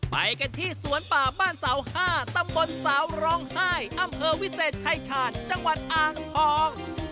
ไปกันที่สวนป่าบ้านเสา๕ตำบลสาวร้องไห้อำเภอวิเศษชายชาญจังหวัดอ่างทอง